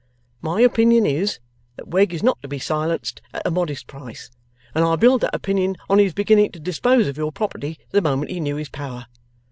My opinion is, that Wegg is not to be silenced at a modest price, and I build that opinion on his beginning to dispose of your property the moment he knew his power.